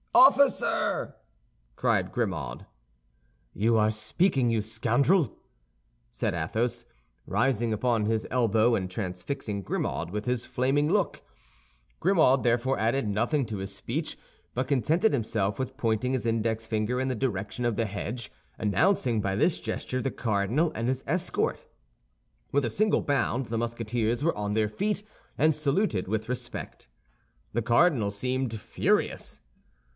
"Officer!" cried Grimaud. "You are speaking, you scoundrel!" said Athos, rising upon his elbow, and transfixing Grimaud with his flaming look. Grimaud therefore added nothing to his speech, but contented himself with pointing his index finger in the direction of the hedge, announcing by this gesture the cardinal and his escort. With a single bound the Musketeers were on their feet, and saluted with respect. The cardinal seemed furious.